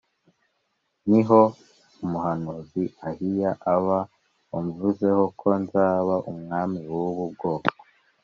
Ni ho umuhanuzi Ahiya aba, wamvuzeho ko nzaba umwami w’ubu bwoko